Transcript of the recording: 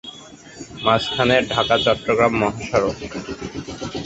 মাঝখানে ঢাকা-চট্টগ্রাম মহাসড়ক।